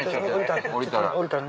降りたら。